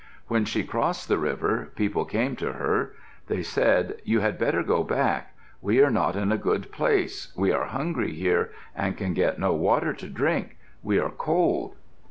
When she crossed the river, people came to her. They said, "You had better go back. We are not in a good place. We are hungry here and can get no water to drink. We are cold."